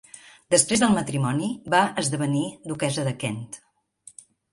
Després del matrimoni, va esdevenir duquessa de Kent.